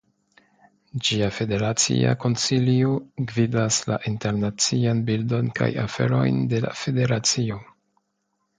Ĝia Federacia Konsilio gvidas la internaciajn bildon kaj aferojn de la Federacio.